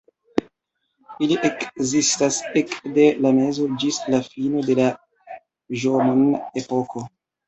Ili ekzistas ekde la mezo ĝis la fino de la Ĵomon-epoko.